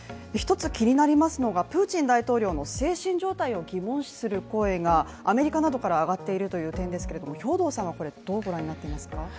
１つ気になりますのがプーチン大統領の精神状態を疑問視する声がアメリカなどから上がっているという点ですけれども兵頭さんはどうご覧になっていますか。